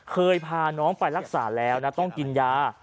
เคยพาน้องไปรักษาแล้วนะต้องกินยา